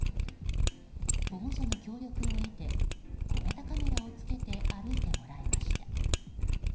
保護者の協力を得て小型カメラを着けて歩いてもらいました。